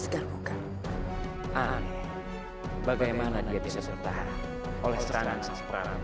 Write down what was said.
bergabungkan aneh bagaimana dia bisa tahan oleh sekarang